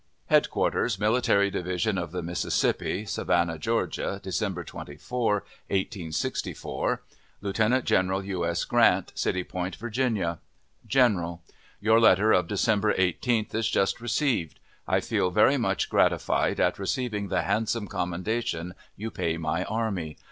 HEADQUARTERS MILITARY DIVISION OF THE MISSISSIPPI SAVANNAH, GEORGIA, December 24, 1864. Lieutenant General U. S. GRANT, City Point, Virginia. GENERAL: Your letter of December 18th is just received. I feel very much gratified at receiving the handsome commendation you pay my army.